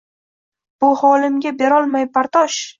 Bu xolimga berolmay bardosh